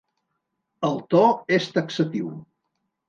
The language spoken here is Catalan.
El to és taxatiu.